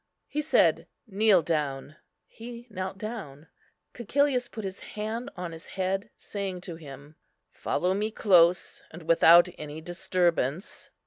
He said, "Kneel down." He knelt down. Cæcilius put his hand on his head, saying to him, "Follow me close and without any disturbance."